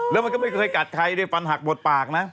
แล้วมันก็ไม่เคยกัดใครในฟันหักหมดปากนะ